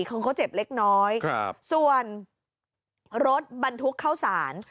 เขาก็เจ็บเล็กน้อยครับส่วนรถบรรทุกเข้าสาร